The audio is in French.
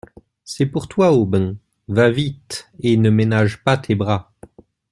C’est pour toi, Aubin !… va vite ! et ne ménage pas tes bras.